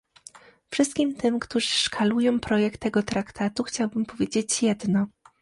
Wszystkim tym, którzy szkalują projekt tego traktatu chciałabym powiedzieć jedno